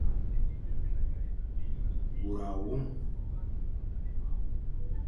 Bôr awôm.